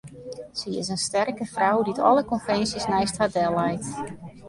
Sy is in sterke frou dy't alle konvinsjes neist har delleit.